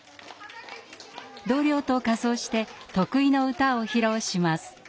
同僚と仮装して得意の歌を披露します。